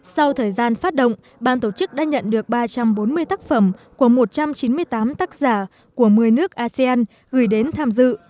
sau thời gian phát động ban tổ chức đã nhận được ba trăm bốn mươi tác phẩm của một trăm chín mươi tám tác giả của một mươi nước asean gửi đến tham dự